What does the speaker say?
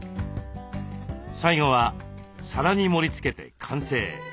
最後は皿に盛りつけて完成。